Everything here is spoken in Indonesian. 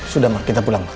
sudah ma kita pulang